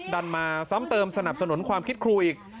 ดันมาซ้ำเติมสนับสนุนความคิดครูอีก